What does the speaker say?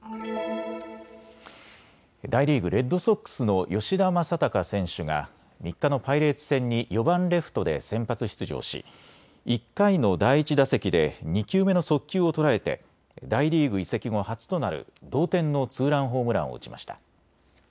大リーグ、レッドソックスの吉田正尚選手が３日のパイレーツ戦に４番・レフトで先発出場し、１回の第１打席で２球目の速球を捉えて大リーグ移籍後初となる同点のツーランホームランを打ちました。